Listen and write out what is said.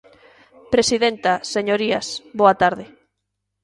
Presidenta, señorías, boa tarde.